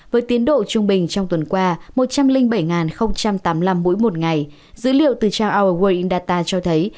với tiến độ trung bình trong tuần qua một trăm linh bảy tám mươi năm mũi một ngày dữ liệu từ trang our world in data cho thấy